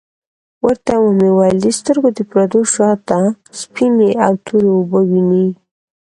ورته ومي ویل د سترګو د پردو شاته سپیني او توری اوبه وینې ؟